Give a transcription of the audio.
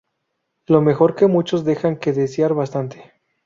Lo mejor que muchos dejan que desear bastante.